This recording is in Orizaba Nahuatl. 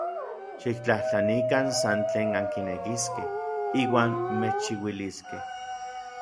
Xiktlajtlanikan san tlen ankinekiskej, iuan mechchiuiliskej.